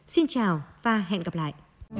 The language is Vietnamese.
xin chào và hẹn gặp lại